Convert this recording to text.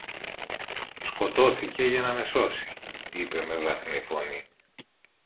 Σκοτώθηκε για να με σώσει, είπε με βραχνή φωνή.